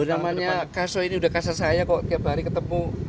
namanya kaso ini udah kasa saya kok tiap hari ketemu